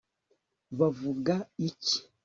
bavuga iki